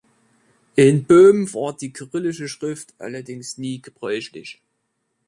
In Böhmen war die kyrillische Schrift allerdings nie gebräuchlich.